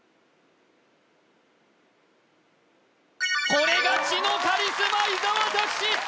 これが知のカリスマ伊沢拓司！